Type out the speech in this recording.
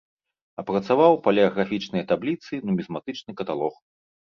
Апрацаваў палеаграфічныя табліцы, нумізматычны каталог.